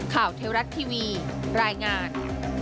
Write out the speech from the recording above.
เทวรัฐทีวีรายงาน